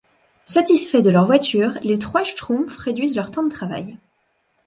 Satisfaits de leurs voitures, les trois schtroumpfs réduisent leurs temps de travail.